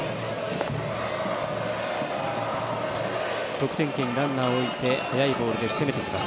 得点圏にランナーを置いて速いボールで攻めていきます。